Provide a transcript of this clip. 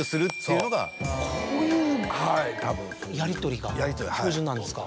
こういうやりとりが標準なんですか。